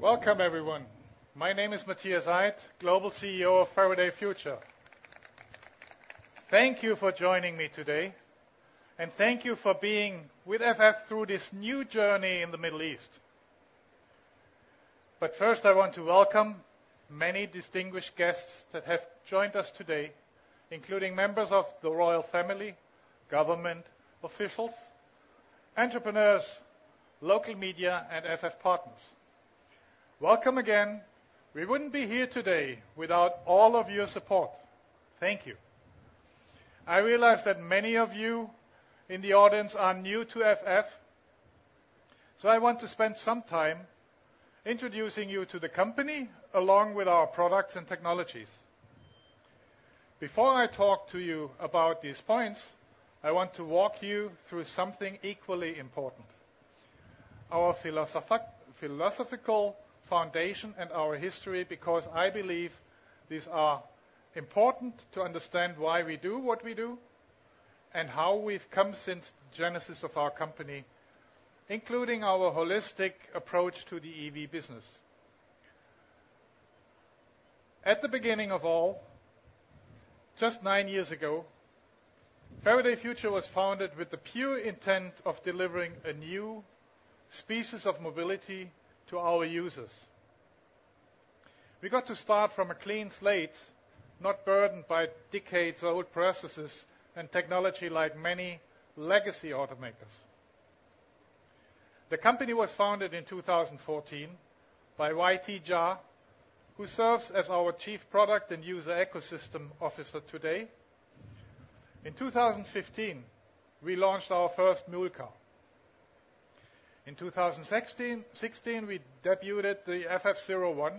Welcome everyone. My name is Matthias Aydt, Global CEO of Faraday Future. Thank you for joining me today, and thank you for being with FF through this new journey in the Middle East. But first, I want to welcome many distinguished guests that have joined us today, including members of the royal family, government officials, entrepreneurs, local media, and FF partners. Welcome again. We wouldn't be here today without all of your support. Thank you. I realize that many of you in the audience are new to FF, so I want to spend some time introducing you to the company, along with our products and technologies. Before I talk to you about these points, I want to walk you through something equally important, our philosophical foundation and our history, because I believe these are important to understand why we do what we do and how we've come since the genesis of our company, including our holistic approach to the EV business. At the beginning of all, just nine years ago, Faraday Future was founded with the pure intent of delivering a new species of mobility to our users. We got to start from a clean slate, not burdened by decades-old processes and technology, like many legacy automakers. The company was founded in 2014 by YT Jia, who serves as our Chief Product and User Ecosystem Officer today. In 2015, we launched our first mule car. In 2016, we debuted the FFZERO1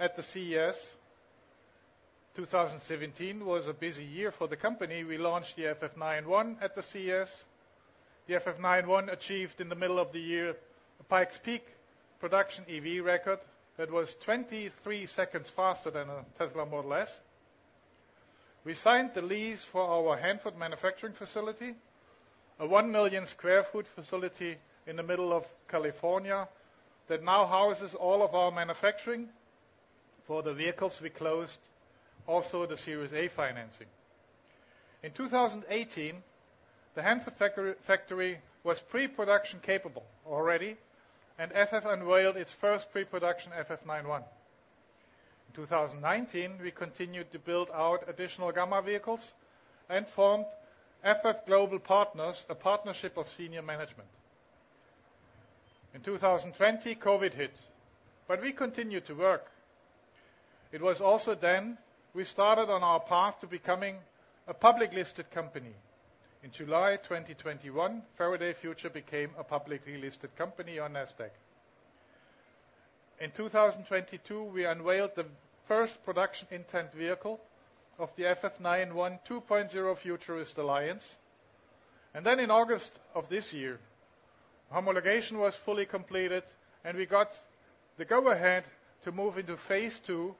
at the CES. 2017 was a busy year for the company. We launched the FF 91 at the CES. The FF 91 achieved in the middle of the year, a Pikes Peak production EV record that was 23 seconds faster than a Tesla Model S. We signed the lease for our Hanford manufacturing facility, a 1 million sq ft facility in the middle of California, that now houses all of our manufacturing. For the vehicles we closed, also the Series A financing. In 2018, the Hanford factory was pre-production capable already, and FF unveiled its first pre-production FF 91. In 2019, we continued to build out additional gamma vehicles and formed FF Global Partners, a partnership of senior management. In 2020, COVID hit, but we continued to work. It was also then we started on our path to becoming a public listed company. In July 2021, Faraday Future became a publicly listed company on NASDAQ. In 2022, we unveiled the first production intent vehicle of the FF 91 2.0 Futurist Alliance. Then in August of this year, homologation was fully completed, and we got the go ahead to move into phase II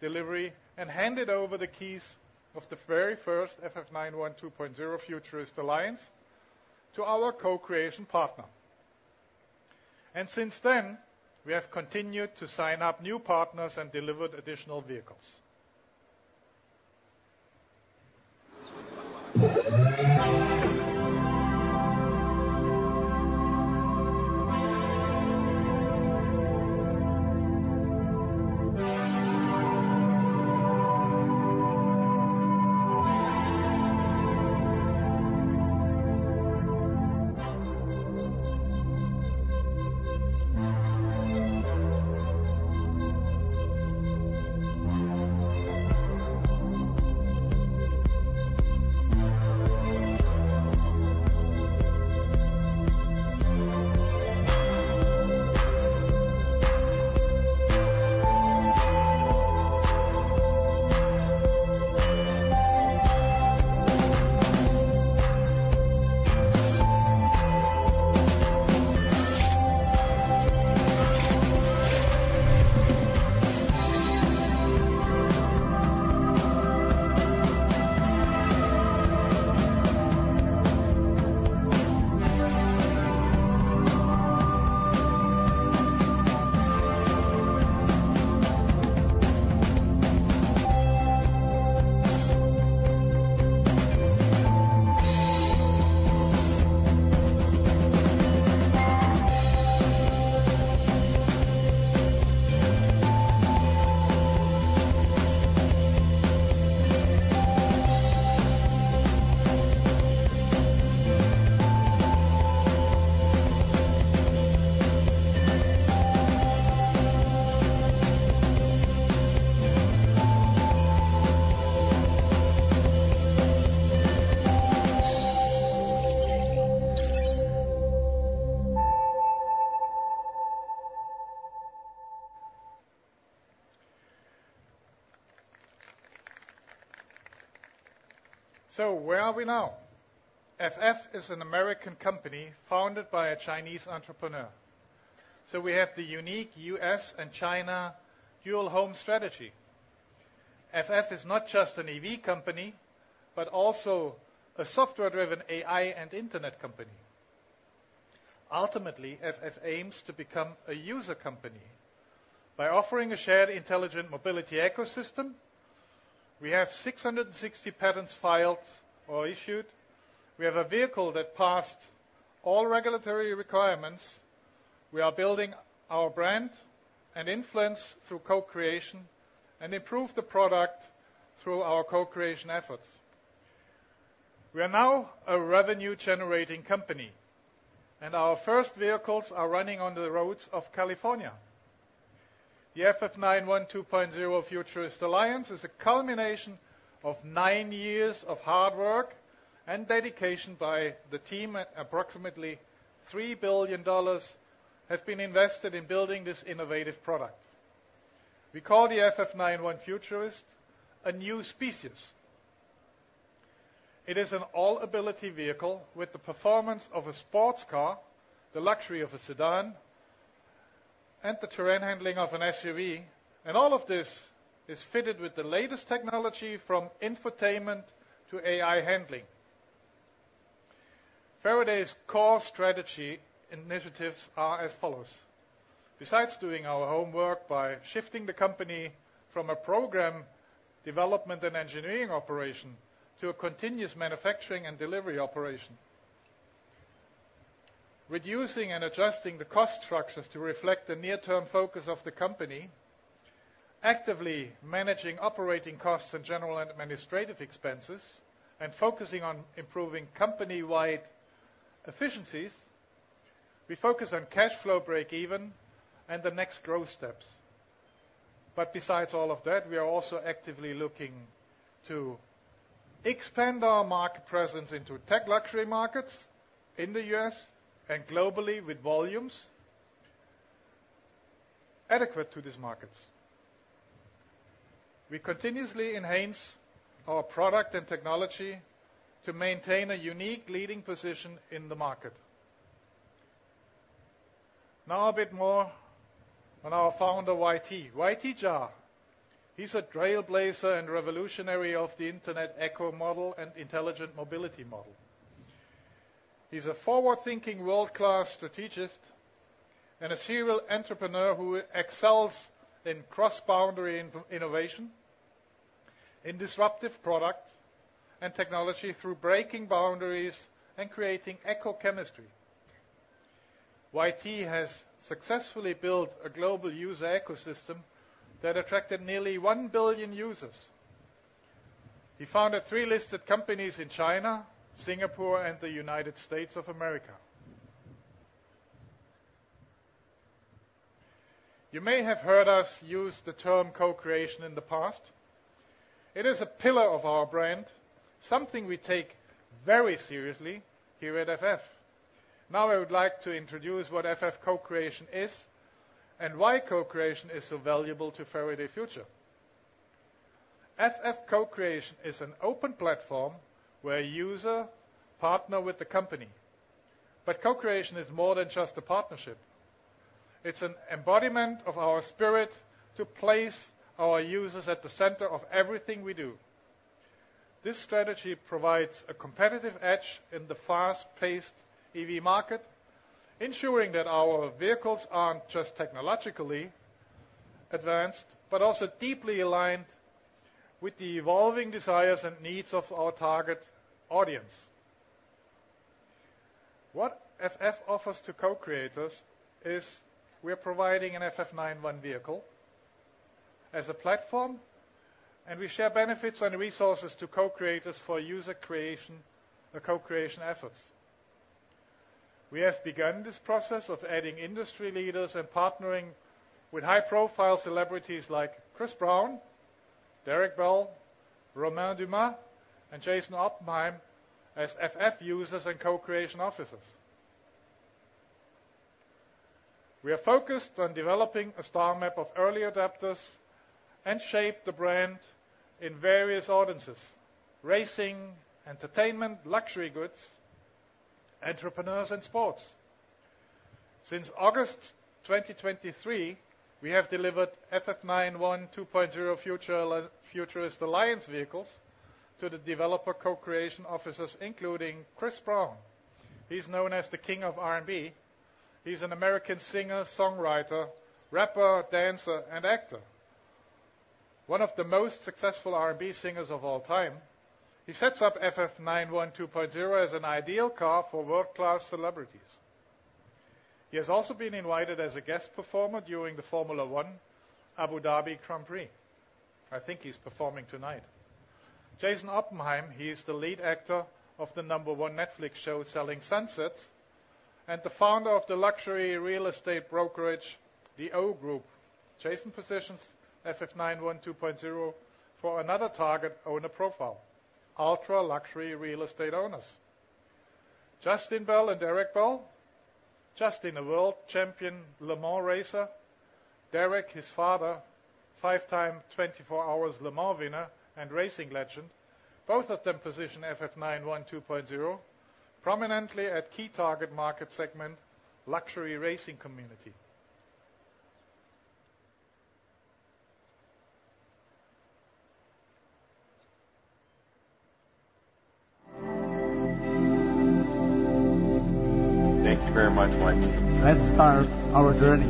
delivery and handed over the keys of the very first FF 91 2.0 Futurist Alliance to our co-creation partner. Since then, we have continued to sign up new partners and delivered additional vehicles. So where are we now? FF is an American company founded by a Chinese entrepreneur. So we have the unique U.S. and China dual home strategy.... FF is not just an EV company, but also a software-driven AI and internet company. Ultimately, FF aims to become a user company. By offering a shared intelligent mobility ecosystem, we have 660 patents filed or issued. We have a vehicle that passed all regulatory requirements. We are building our brand and influence through co-creation, and improve the product through our co-creation efforts. We are now a revenue-generating company, and our first vehicles are running on the roads of California. The FF 91 2.0 Futurist Alliance is a culmination of nine years of hard work and dedication by the team, and approximately $3 billion have been invested in building this innovative product. We call the FF 91 Futurist a new species. It is an All-Ability vehicle with the performance of a sports car, the luxury of a sedan, and the terrain handling of an SUV, and all of this is fitted with the latest technology from infotainment to AI handling. Faraday's core strategy initiatives are as follows: Besides doing our homework by shifting the company from a program development and engineering operation to a continuous manufacturing and delivery operation, reducing and adjusting the cost structures to reflect the near-term focus of the company, actively managing operating costs and general and administrative expenses, and focusing on improving company-wide efficiencies, we focus on cash flow break-even and the next growth steps. But besides all of that, we are also actively looking to expand our market presence into tech luxury markets in the U.S. and globally with volumes adequate to these markets. We continuously enhance our product and technology to maintain a unique leading position in the market. Now, a bit more on our founder, YT. YT Jia, he's a trailblazer and revolutionary of the internet ecosystem model and intelligent mobility model. He's a forward-thinking, world-class strategist and a serial entrepreneur who excels in cross-boundary innovation, in disruptive product and technology through breaking boundaries and creating ecosystem chemistry. YT has successfully built a global user ecosystem that attracted nearly 1 billion users. He founded three listed companies in China, Singapore, and the United States of America. You may have heard us use the term Co-creation in the past. It is a pillar of our brand, something we take very seriously here at FF. Now, I would like to introduce what FF Co-creation is, and why Co-creation is so valuable to Faraday Future. FF Co-creation is an open platform where users partner with the company, but co-creation is more than just a partnership. It's an embodiment of our spirit to place our users at the center of everything we do. This strategy provides a competitive edge in the fast-paced EV market, ensuring that our vehicles aren't just technologically advanced, but also deeply aligned with the evolving desires and needs of our target audience. What FF offers to co-creators is we are providing an FF 91 vehicle as a platform, and we share benefits and resources to co-creators for user creation or co-creation efforts. We have begun this process of adding industry leaders and partnering with high-profile celebrities like Chris Brown, Derek Bell, Romain Dumas, and Jason Oppenheim as FF users and co-creation officers. We are focused on developing a star map of early adopters and shape the brand in various audiences: racing, entertainment, luxury goods, entrepreneurs, and sports. Since August 2023, we have delivered FF 91 2.0 Futurist Alliance vehicles to the developer co-creation officers, including Chris Brown. He's known as the King of R&B. He's an American singer, songwriter, rapper, dancer, and actor. One of the most successful R&B singers of all time. He sets up FF 91 2.0 as an ideal car for world-class celebrities. He has also been invited as a guest performer during the Formula One Abu Dhabi Grand Prix. I think he's performing tonight. Jason Oppenheim, he is the lead actor of the number one Netflix show, Selling Sunset, and the founder of the luxury real estate brokerage, The O Group. Jason positions FF 91 2.0 for another target owner profile: ultra-luxury real estate owners. Justin Bell and Derek Bell. Justin, a world champion Le Mans racer. Derek, his father, five-time 24 hours Le Mans winner and racing legend. Both of them position FF 91 2.0 prominently at key target market segment, luxury racing community. ... Thank you very much, Mike. Let's start our journey.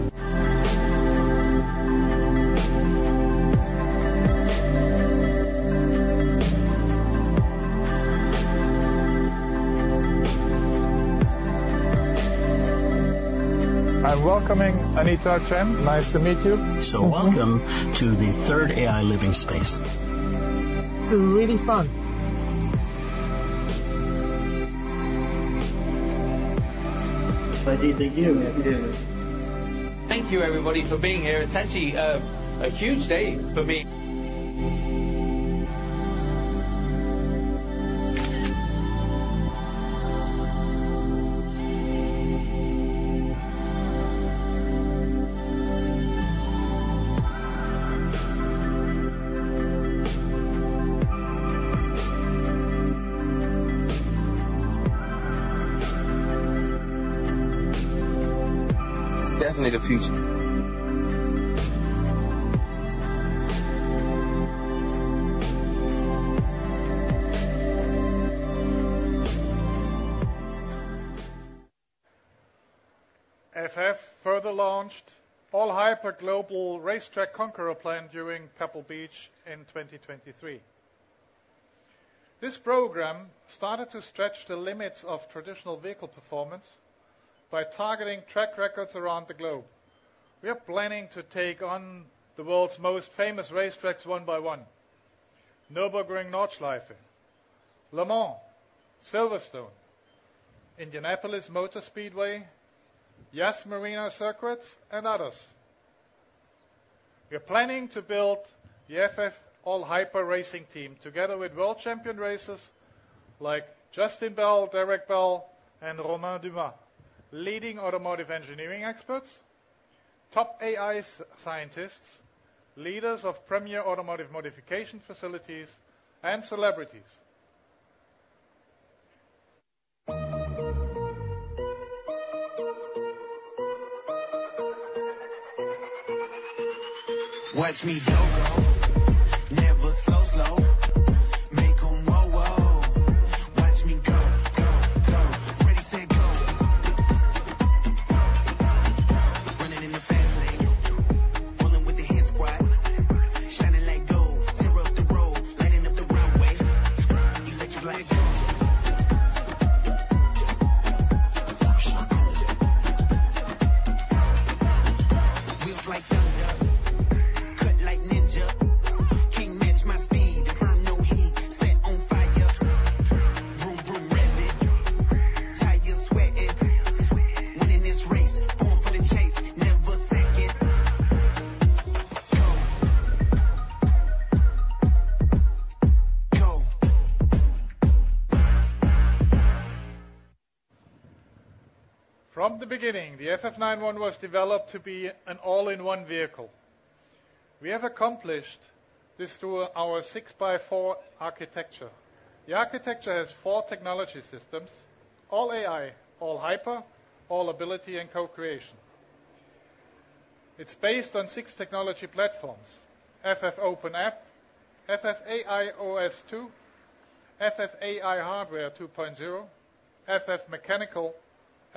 I'm welcoming Anita Chen. Nice to meet you. Welcome to the third AI living space. It's really fun! Thank you. Thank you. Thank you, everybody, for being here. It's actually a huge day for me. It's definitely the future. FF further launched All Hyper Global Racetrack Conqueror Plan during Pebble Beach in 2023. This program started to stretch the limits of traditional vehicle performance by targeting track records around the globe. We are planning to take on the world's most famous racetracks one by one: Nürburgring Nordschleife, Le Mans, Silverstone, Indianapolis Motor Speedway, Yas Marina Circuit, and others. We are planning to build the FF All Hyper Racing team together with world champion racers like Justin Bell, Derek Bell, and Romain Dumas, leading automotive engineering experts, top AI scientists, leaders of premier automotive modification facilities, and celebrities. Watch me go, go. Never slow, slow. Make 'em whoa, whoa. Watch me go, go, go. Ready, set, go! Running in the fast lane. Pulling with the hit squad. Shining like gold. Tear up the road. Lighting up the runway. Electric like go. Wheels like thunder, cut like ninja. Can't match my speed, I'm no heat, set on fire. Vroom, vroom, rev it. Tires sweating. Winning this race, going for the chase, never second. Go! Go. From the beginning, the FF 91 was developed to be an all-in-one vehicle. We have accomplished this through our 6x4 architecture. The architecture has four technology systems: All AI, All Hyper, All-Ability, and Co-creation. It's based on 6 technology platforms: FF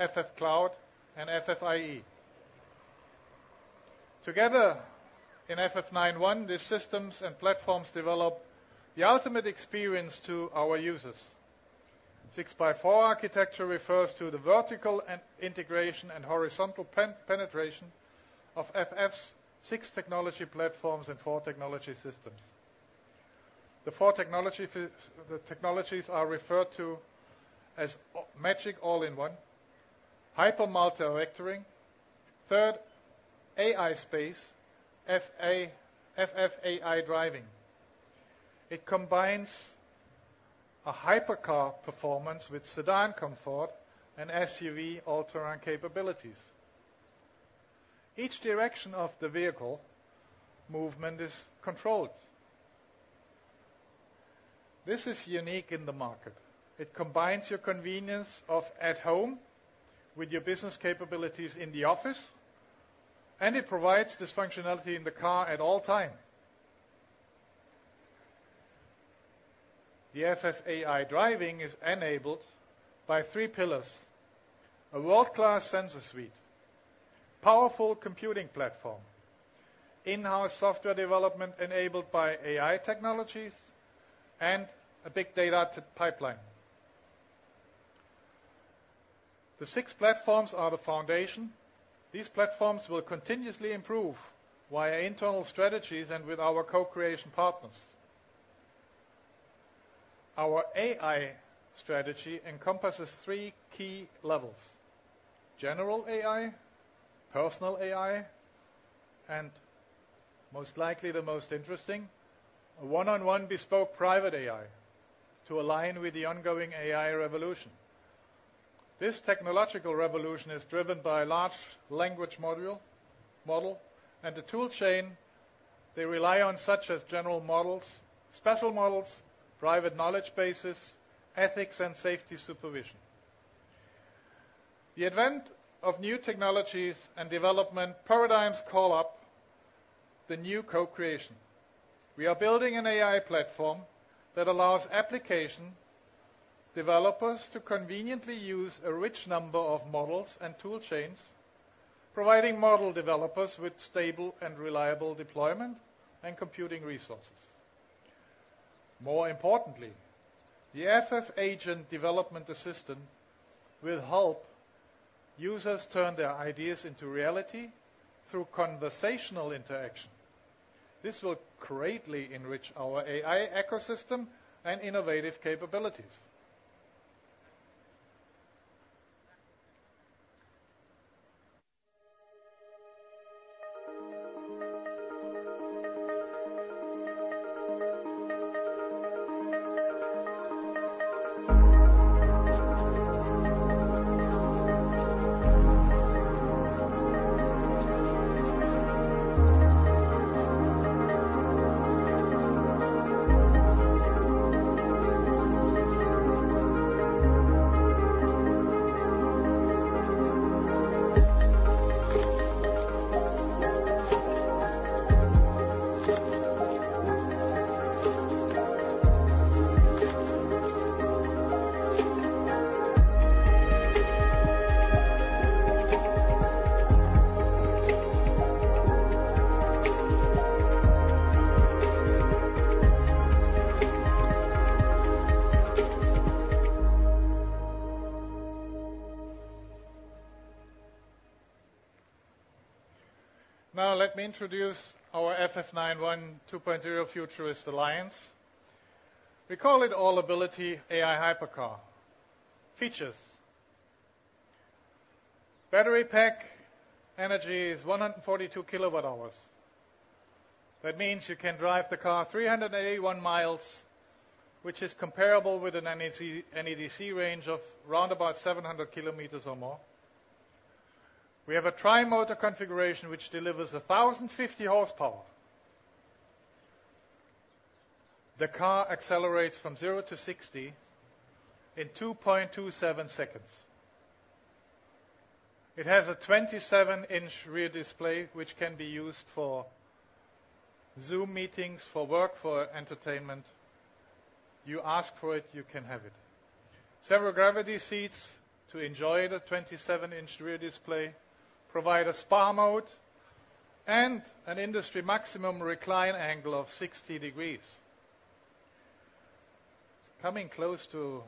OpenApp, FF aiOS 2, FF aiHardware 2.0, FF Mechanical, FF Cloud, and FF IE. Together in FF 91, these systems and platforms develop the ultimate experience to our users. 6x4 architecture refers to the vertical integration and horizontal penetration of FF's 6 technology platforms and four technology systems. The four technologies are referred to as Magic All-in-One, Hyper Multi-vectoring, 3rd aiSpace, FF aiDriving. It combines a hypercar performance with sedan comfort and SUV all-terrain capabilities. Each direction of the vehicle movement is controlled. This is unique in the market. It combines your convenience of at home with your business capabilities in the office, and it provides this functionality in the car at all time. The FF aiDriving is enabled by three pillars: a world-class sensor suite, powerful computing platform, in-house software development enabled by AI technologies, and a big data to pipeline. The 6 platforms are the foundation. These platforms will continuously improve via internal strategies and with our co-creation partners. Our AI strategy encompasses three key levels: General AI, personal AI, and most likely the most interesting, a one-on-one bespoke private AI to align with the ongoing AI revolution. This technological revolution is driven by large language model, and the tool chain. They rely on such as general models, special models, private knowledge bases, ethics and safety supervision. The advent of new technologies and development paradigms call up the new co-creation. We are building an AI platform that allows application developers to conveniently use a rich number of models and tool chains, providing model developers with stable and reliable deployment and computing resources. More importantly, the FF Agent development assistant will help users turn their ideas into reality through conversational interaction. This will greatly enrich our AI ecosystem and innovative capabilities. Now, let me introduce our FF 91 2.0 Futurist Alliance. We call it All-Ability AI Hypercar. Features: battery pack energy is 142 kWh. That means you can drive the car 381 mi, which is comparable with an NEDC range of round about 700 km or more. We have a tri-motor configuration, which delivers 1,050 horsepower. The car accelerates from zero-60 in 2.27 seconds. It has a 27-inch rear display, which can be used for Zoom meetings, for work, for entertainment. You ask for it, you can have it. Zero gravity seats to enjoy the 27-inch rear display, provide a spa mode and an industry maximum recline angle of 60 degrees. It's coming close to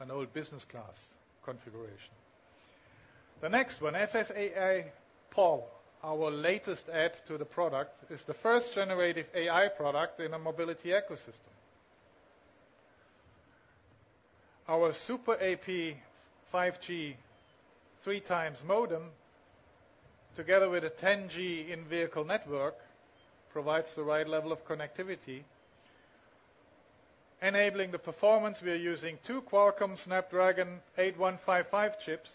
an old business class configuration. The next one, FF aiPal, our latest add to the product, is the first generative AI product in a mobility ecosystem. Our Super AP 5G 3x modem, together with a 10G in-vehicle network, provides the right level of connectivity. Enabling the performance, we are using two Qualcomm Snapdragon 8155 chips,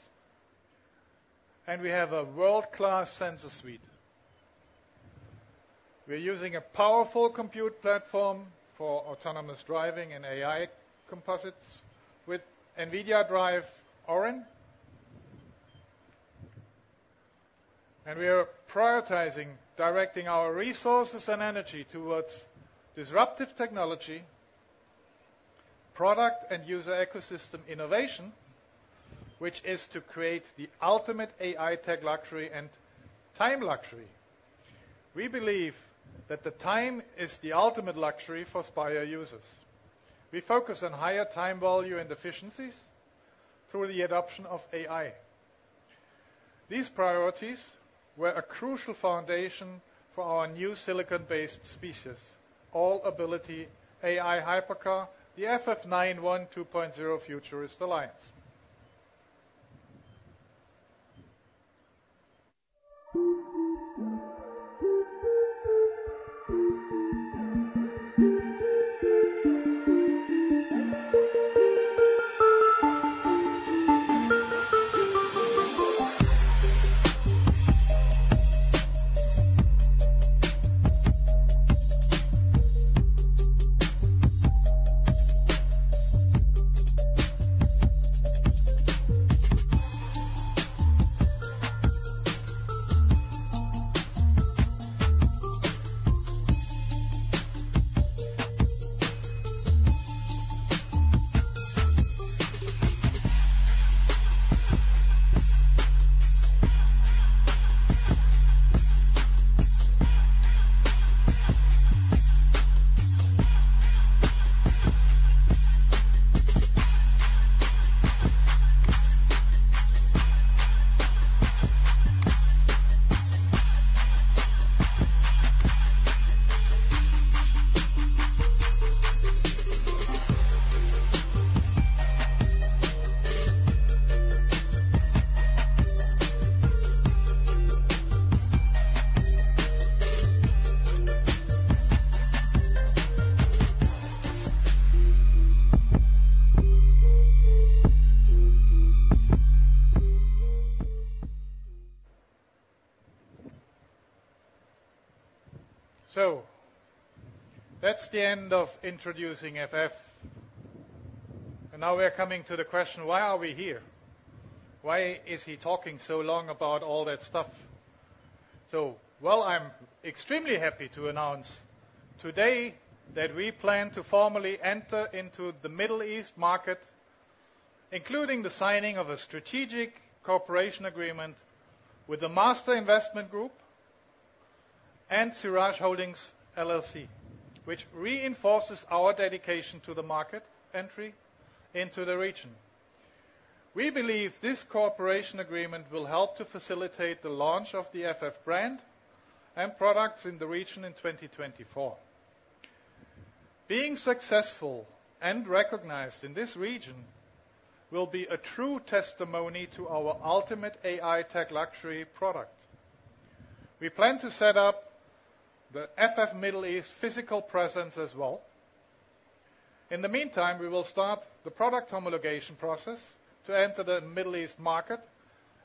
and we have a world-class sensor suite. We're using a powerful compute platform for autonomous driving and AI composites with NVIDIA Drive Orin. We are prioritizing, directing our resources and energy towards disruptive technology, product and user ecosystem innovation, which is to create the ultimate AI tech luxury and time luxury. We believe that the time is the ultimate luxury for Spire Users. We focus on higher time value and efficiencies through the adoption of AI. These priorities were a crucial foundation for our new silicon-based species, All-Ability AI Hypercar, the FF 91 2.0 Futurist Alliance. ... That's the end of introducing FF. Now we are coming to the question: why are we here? Why is he talking so long about all that stuff? So, well, I'm extremely happy to announce today that we plan to formally enter into the Middle East market, including the signing of a strategic cooperation agreement with the Master Investment Group and Siraj Holdings LLC, which reinforces our dedication to the market entry into the region. We believe this cooperation agreement will help to facilitate the launch of the FF brand and products in the region in 2024. Being successful and recognized in this region will be a true testimony to our ultimate AI tech luxury product. We plan to set up the FF Middle East physical presence as well. In the meantime, we will start the product homologation process to enter the Middle East market,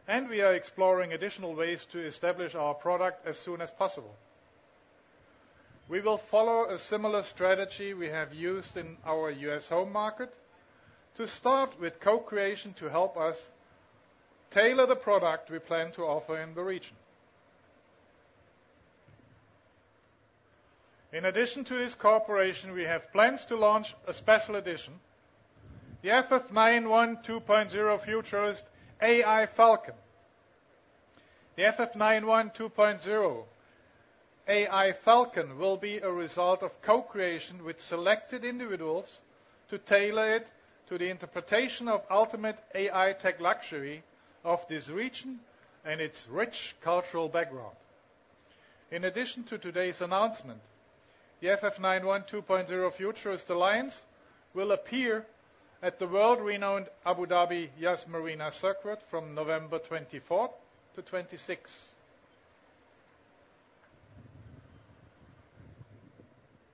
and we are exploring additional ways to establish our product as soon as possible. We will follow a similar strategy we have used in our U.S. home market to start with co-creation to help us tailor the product we plan to offer in the region. In addition to this cooperation, we have plans to launch a special edition, the FF 91 2.0 Futurist AI Falcon. The FF 91 2.0 AI Falcon will be a result of co-creation with selected individuals to tailor it to the interpretation of ultimate AI tech luxury of this region and its rich cultural background. In addition to today's announcement, the FF 91 2.0 Futurist Alliance will appear at the world-renowned Abu Dhabi Yas Marina Circuit from November 24th to 26th.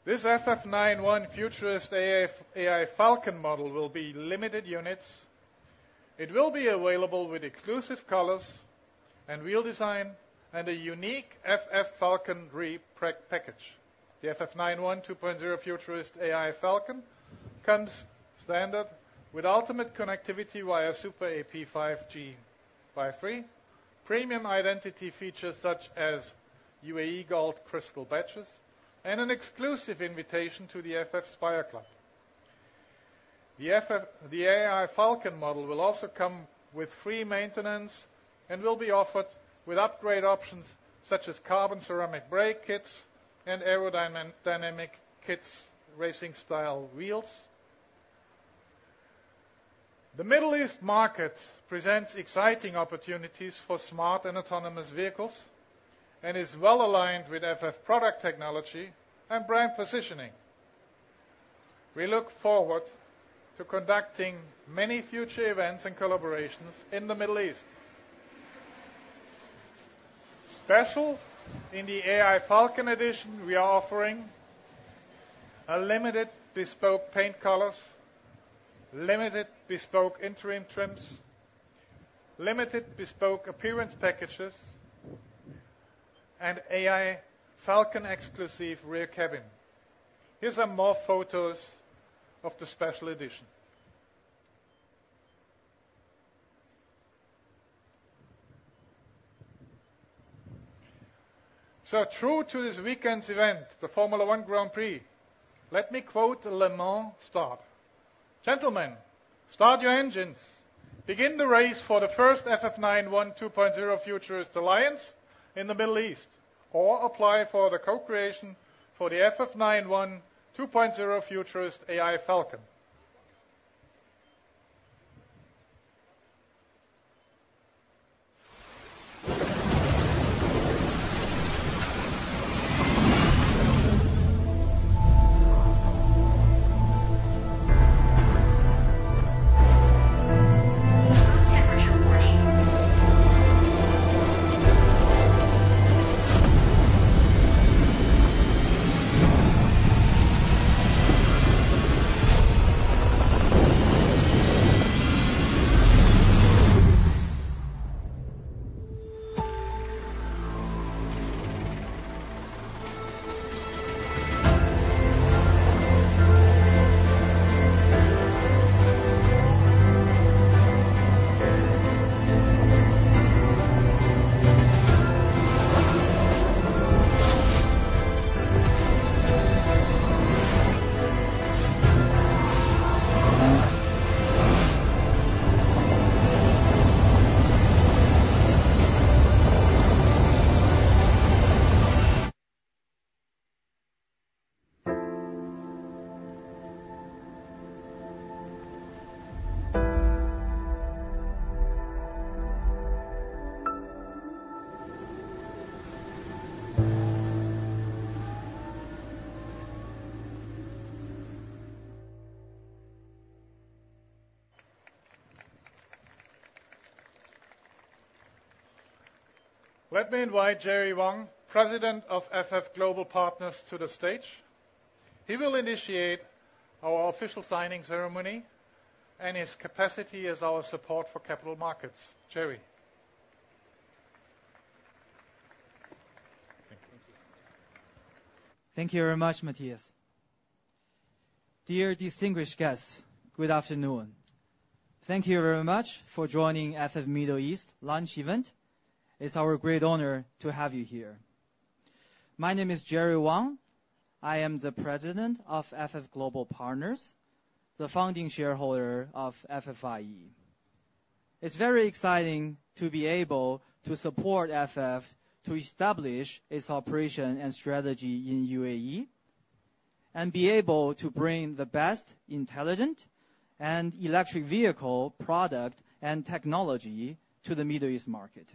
This FF 91 Futurist AI, AI Falcon model will be limited units. It will be available with exclusive colors and wheel design and a unique FF 91 2.0 Futurist AI Falcon pre-package. The FF 91 2.0 Futurist AI Falcon comes standard with ultimate connectivity via Super AP 5G x 3, premium identity features such as UAE gold crystal badges, and an exclusive invitation to the FF Spire Club. The AI Falcon model will also come with free maintenance and will be offered with upgrade options such as carbon ceramic brake kits and aerodynamic kits, racing-style wheels. The Middle East market presents exciting opportunities for smart and autonomous vehicles and is well aligned with FF product technology and brand positioning. We look forward to conducting many future events and collaborations in the Middle East. Special in the AI Falcon edition, we are offering limited bespoke paint colors, limited bespoke interior trims, limited bespoke appearance packages, and AI Falcon exclusive rear cabin. Here are some more photos of the special edition. So true to this weekend's event, the Formula One Grand Prix, let me quote Le Mans start: "Gentlemen, start your engines. Begin the race for the first FF 91 2.0 Futurist Alliance in the Middle East, or apply for the co-creation for the FF 91 2.0 Futurist AI Falcon." ... Let me invite Jerry Wang, President of FF Global Partners, to the stage. He will initiate our official signing ceremony in his capacity as our support for capital markets. Jerry. Thank you. Thank you very much, Matthias. Dear distinguished guests, good afternoon. Thank you very much for joining FF Middle East launch event. It's our great honor to have you here. My name is Jerry Wang. I am the president of FF Global Partners, the founding shareholder of FFIE. It's very exciting to be able to support FF to establish its operation and strategy in UAE, and be able to bring the best, intelligent, and electric vehicle product and technology to the Middle East market.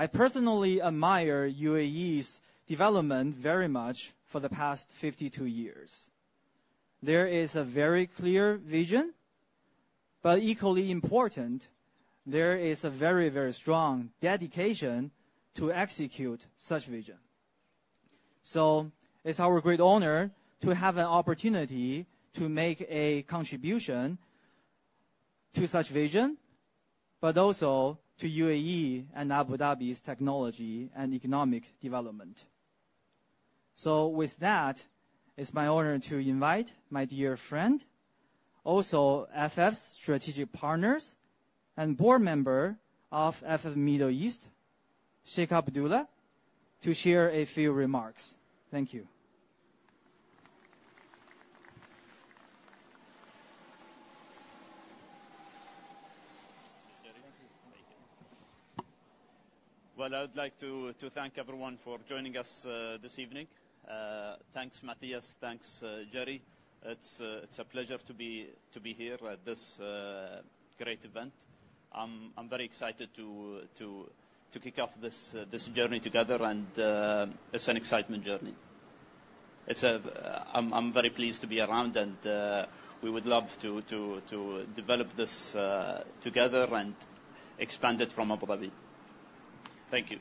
I personally admire UAE's development very much for the past 52 years. There is a very clear vision, but equally important, there is a very, very strong dedication to execute such vision. So it's our great honor to have an opportunity to make a contribution to such vision, but also to UAE and Abu Dhabi's technology and economic development. So with that, it's my honor to invite my dear friend, also FF's strategic partners and board member of FF Middle East, Sheikh Abdullah, to share a few remarks. Thank you. Well, I would like to thank everyone for joining us this evening. Thanks, Matthias. Thanks, Jerry. It's a pleasure to be here at this great event. I'm very excited to kick off this journey together, and it's an excitement journey. I'm very pleased to be around, and we would love to develop this together and expand it from Abu Dhabi. Thank you.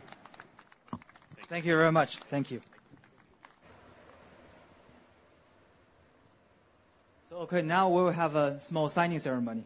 Thank you very much. Thank you. So, okay, now we will have a small signing ceremony.